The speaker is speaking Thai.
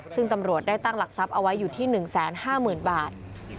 ซึ่งตำรวจได้ตั้งหลักทรัพย์เอาไว้อยู่ที่๑๕๐๐๐บาท